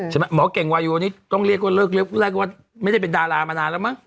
ใช่ไหมหมอเก่งวายุอันนี้ต้องเรียกว่าเลิกว่าไม่ได้เป็นดารามานานแล้วมั้ย